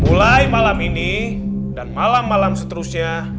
mulai malam ini dan malam malam seterusnya